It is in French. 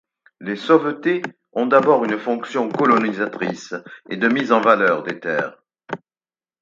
Les sauvetés ont d'abord une fonction colonisatrice et de mise en valeur des terres.